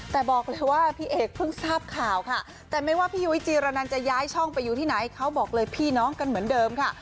แต่บอกเลยว่าพี่เอกเพิ่งทราบข่าวค่ะแต่ไม่ว่าพี่ยุ้ยจีรนันจะย้ายช่องไปอยู่ที่ไหนเขาบอกเลยพี่น้องกันเหมือนเดิมค่ะ